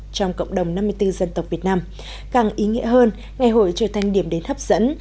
trong cộng đồng năm mươi bốn dân tộc việt nam càng ý nghĩa hơn ngày hội trở thành điểm đến hấp dẫn